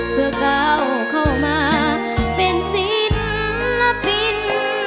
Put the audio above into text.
เพื่อก้าวเข้ามาเป็นศิลปิน